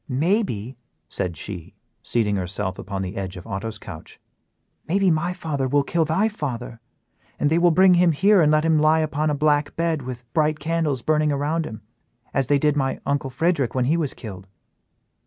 Maybe," said she, seating herself upon the edge of Otto's couch; "maybe my father will kill thy father, and they will bring him here and let him lie upon a black bed with bright candles burning around him, as they did my uncle Frederick when he was killed."